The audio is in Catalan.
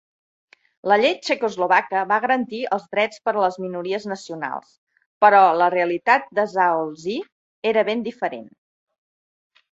La llei txecoslovaca va garantir els drets per a les minories nacionals, però la realitat de Zaolzie era ben diferent.